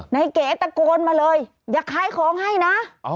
เก๋ตะโกนมาเลยอย่าขายของให้นะ